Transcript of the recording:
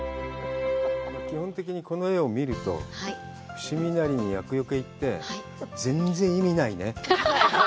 基本的にこの画を見ると、伏見稲荷に厄よけ行って、全然意味ないね。